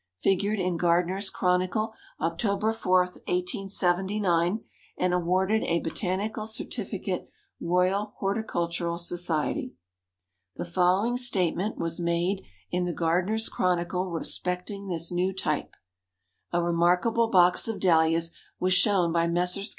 Figured in Gardener's Chronicle October 4th, 1879, and awarded a Botanical Certificate Royal Horticultural Society." The following statement was made in the Gardener's Chronicle respecting this new type: "A remarkable box of Dahlias was shown by Messrs.